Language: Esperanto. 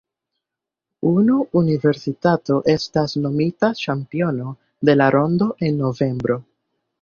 Unu universitato estas nomita ĉampiono de la rondo en novembro.